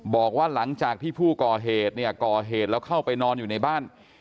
บอกว่าหลังจากที่ผู้ก่อเหตุเนี่ยก่อเหตุแล้วเข้าไปนอนอยู่ในบ้าน